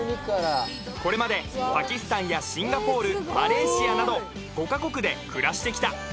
これまでパキスタンやシンガポールマレーシアなど５カ国で暮らしてきた